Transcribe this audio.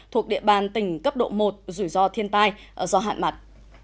thuộc địa bàn tỉnh cấp độ một rủi ro thiên tai do hạn mặn